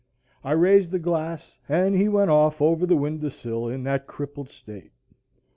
I raised the glass, and he went off over the window sill in that crippled state.